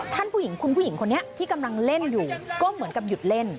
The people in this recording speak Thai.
ผู้หญิงคุณผู้หญิงคนนี้ที่กำลังเล่นอยู่ก็เหมือนกับหยุดเล่น